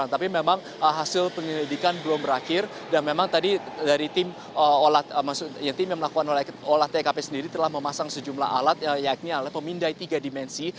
tapi memang hasil penyelidikan belum berakhir dan memang tadi dari tim yang melakukan olah tkp sendiri telah memasang sejumlah alat yakni alat pemindai tiga dimensi